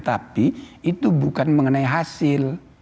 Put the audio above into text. tapi itu bukan mengenai hasil